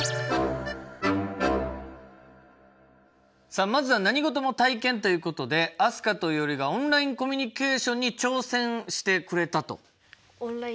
さあまずは何事も体験ということで飛鳥といおりがオンラインコミュニケーションに挑戦してくれたと。